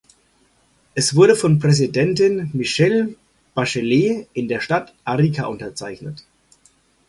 Es wurde von Präsidentin Michelle Bachelet in der Stadt Arica unterzeichnet.